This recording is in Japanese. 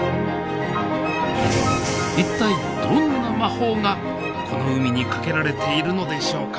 一体どんな魔法がこの海にかけられているのでしょうか？